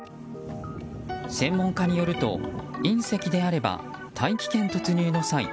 専門家によると隕石であれば大気圏突入の際